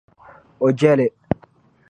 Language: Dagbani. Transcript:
O je li.